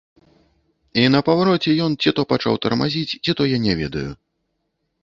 І на павароце ён ці то пачаў тармазіць, ці што, я не ведаю.